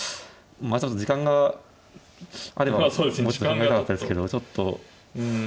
ちょっと時間があればもうちょっと考えたかったですけどちょっとうん。